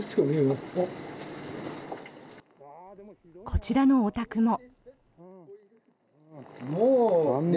こちらのお宅も。